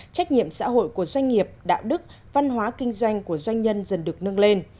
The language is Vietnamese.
trách nhiệm xã hội của doanh nghiệp đạo đức văn hóa kinh doanh của doanh nhân dần được nâng lên